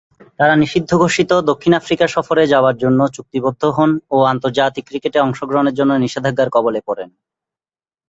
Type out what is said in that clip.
তারা নিষিদ্ধ ঘোষিত দক্ষিণ আফ্রিকা সফরের যাবার জন্যে চুক্তিবদ্ধ হন ও আন্তর্জাতিক ক্রিকেটে অংশগ্রহণের জন্যে নিষেধাজ্ঞার কবলে পড়েন।